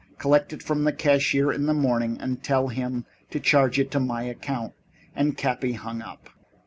Collect it from the cashier in the morning, and tell him to charge it to my account." And Cappy hung up.